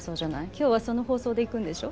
今日はその放送でいくんでしょ？